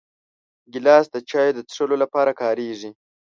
ګیلاس د چایو د څښلو لپاره کارېږي.